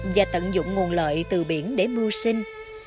và tận dụng nguồn lợi từ biển để mưu sinh